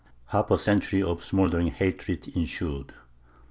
Half a century of smouldering hatred ensued.